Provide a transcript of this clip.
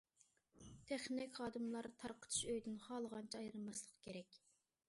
تېخنىك خادىملار تارقىتىش ئۆيىدىن خالىغانچە ئايرىلماسلىقى كېرەك.